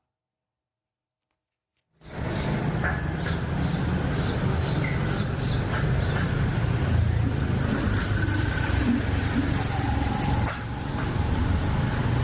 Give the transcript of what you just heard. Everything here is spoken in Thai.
แต่เอาจริงคุณพุพคบางจุดมันก็ยังสีดำอยู่เหมือนกันนะเนี่ย